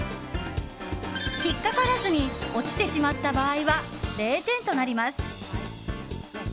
引っかからずに落ちてしまった場合は０点となります。